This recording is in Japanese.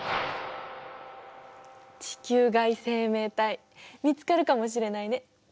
地球外生命体見つかるかもしれないね。